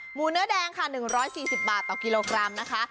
เนื้อแดงค่ะ๑๔๐บาทต่อกิโลกรัมนะคะ